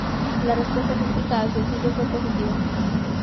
La respuesta crítica al sencillo fue positiva.